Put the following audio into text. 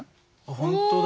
本当だ。